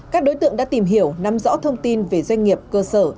các đối tượng đã tìm hiểu nắm rõ thông tin về doanh nghiệp cơ sở